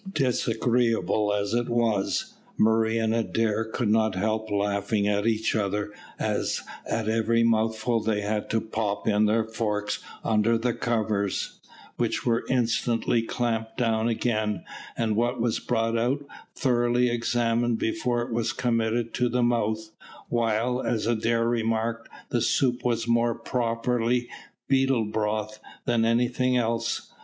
Disagreeable as it was, Murray and Adair could not help laughing at each other as at every mouthful they had to pop in their forks under the covers, which were instantly clapped down again, and what was brought out thoroughly examined before it was committed to the mouth, while, as Adair remarked, the soup was more properly "beetle broth" than anything else.